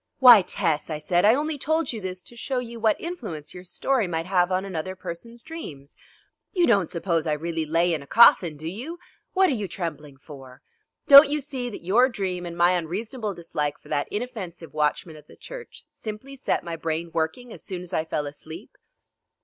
"Why, Tess," I said, "I only told you this to show you what influence your story might have on another person's dreams. You don't suppose I really lay in a coffin, do you? What are you trembling for? Don't you see that your dream and my unreasonable dislike for that inoffensive watchman of the church simply set my brain working as soon as I fell asleep?"